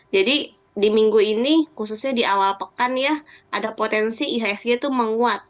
jadi di minggu ini khususnya di awal pekan ya ada potensi ihsg itu menguat